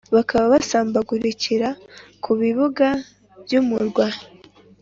bakaba basambagurikira ku bibuga by’umurwa.